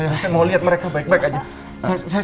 saya mau lihat mereka baik baik aja